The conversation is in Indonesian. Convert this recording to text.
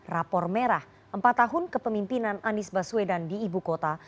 rapor merah empat tahun kepemimpinan anies baswedan di ibu kota